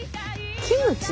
キムチ？